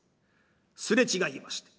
擦れ違いました。